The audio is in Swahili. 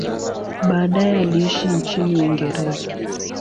Baadaye aliishi nchini Uingereza.